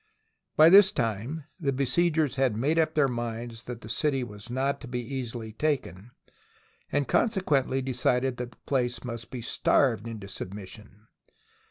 By this time the besiegers had made up their minds that the city was not to be easily taken, and consequently decided that the place must be starved into submission.